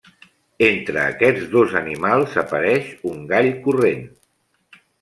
Entre aquests dos animals apareix un gall corrent.